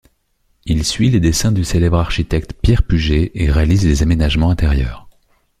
Il suit les dessins du célèbre architecte Pierre Puget et réalise les aménagements intérieurs.